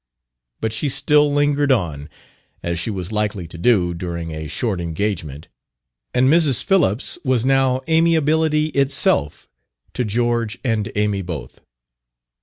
But she still lingered on, as she was likely to do, during a short engagement; and Mrs. Phillips was now amiability itself to George and Amy both.